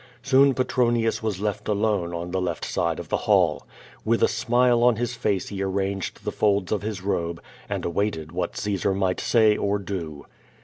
Soon Petronius was left alone on the left side of the hall. AVith a smile on his face he arranged the folds of his robe, and awaited what Caesar might say or do.